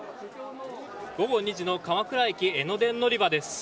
午後２時の鎌倉駅江ノ電乗り場です。